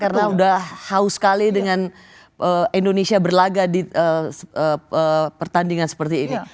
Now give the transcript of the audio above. karena sudah haus sekali dengan indonesia berlaga di pertandingan seperti ini